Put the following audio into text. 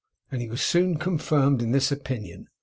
and he was soon confirmed in this opinion.